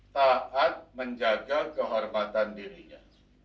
taat menjaga kehormatan dirinya